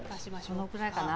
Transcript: このくらいかな？